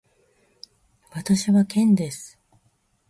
私はケンです。